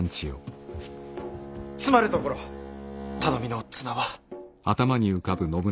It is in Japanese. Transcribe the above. つまるところ頼みの綱は。